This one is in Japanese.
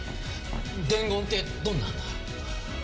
伝言ってどんな？